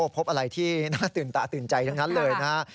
พบอะไรที่น่าตื่นตาตื่นใจทั้งนั้นเลยนะฮะ